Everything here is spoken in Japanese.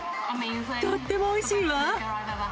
とってもおいしいわ。